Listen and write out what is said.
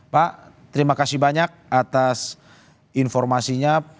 pak terima kasih banyak atas informasinya